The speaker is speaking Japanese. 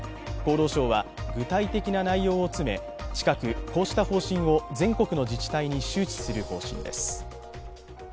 厚労省は具体的な内容を詰め近く、こうした方針を全国の自治体に周知する方針です。